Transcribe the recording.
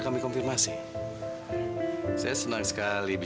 kita berhasil mit